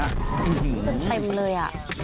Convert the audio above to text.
มันเต็มเลยอ่ะ